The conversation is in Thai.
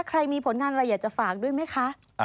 ใครมีผลงานอะไรอยากจะฝากด้วยไหมคะ